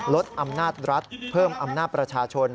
ลดอำนาจรัฐเพิ่มอำนาจประชาชน